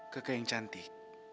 kek yang cantik